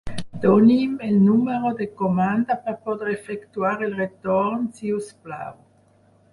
Doni'm el número de comanda per poder efectuar el retorn, si us plau.